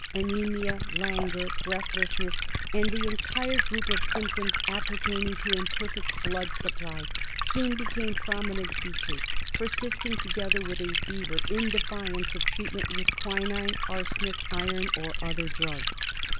Anaemia, languor, breathlessness, and the entire ^ group of symptoms appertaining to imperfect blood supply' soon became prominent features, persisting, together with the fever, in defiance of treatment with quinine, arsenic, iron or other drugs.